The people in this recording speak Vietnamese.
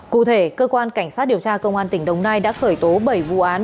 cụ thể cơ quan cảnh sát điều tra công an tỉnh đồng nai đã khởi tố bảy vụ án